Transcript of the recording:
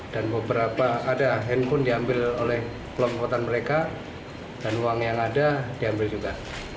dan beberapa ada handphone diambil oleh kelompotan mereka dan uang yang ada diambil juga